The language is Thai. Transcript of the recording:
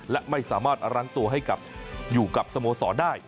และไม่สามารถรั้งตัวให้กับอยู่กับสโมสรได้